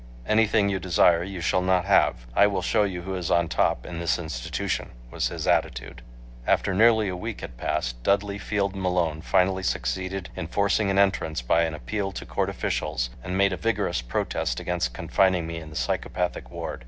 "Anything you desire, you shall not have. I will show you who is on top in this institution," was his attitude. After nearly a week had passed, Dudley Field Malone finally succeeded in forcing an entrance by an appeal to court officials and made a vigorous protest against confining me in the psychopathic ward.